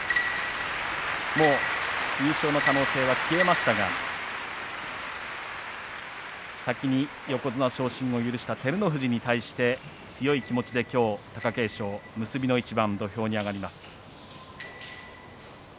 もう優勝の可能性は消えましたが先に横綱昇進を許した照ノ富士に対して強い気持ちできょう貴景勝結びの一番、土俵に上がります。